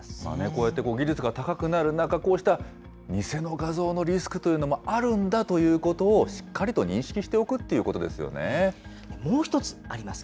こうやって技術が高くなる中、こうした偽の画像のリスクというのもあるんだということを、しっかりと認識しておくっていうこともう１つあります。